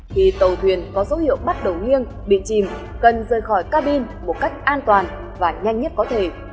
khi tàu thuyền có dấu hiệu bắt đầu nghiêng bị chìm cần rời khỏi cabin một cách an toàn và nhanh nhất có thể